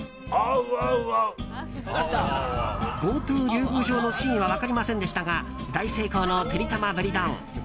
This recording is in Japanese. ＧｏＴｏ竜宮城の真意は分かりませんでしたが大成功のてりたまブリ丼。